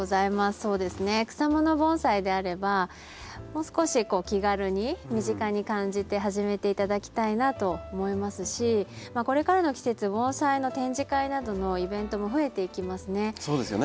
そうですね草もの盆栽であればもう少し気軽に身近に感じて始めて頂きたいなと思いますしこれからの季節盆栽の展示会などのイベントも増えていきますね。